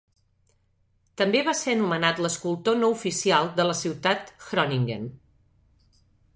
També va ser nomenat l'escultor no oficial de la ciutat Groningen.